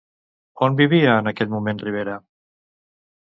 On vivia en aquell moment Ribera?